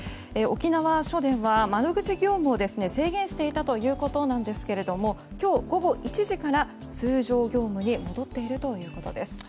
沖縄署では窓口業務を制限していたということなんですが今日午後１時から通常業務に戻っているということです。